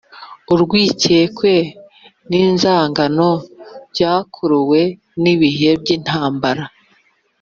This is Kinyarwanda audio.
urwikekwe n’inzangano byakuruwe n’ibihe by’intambara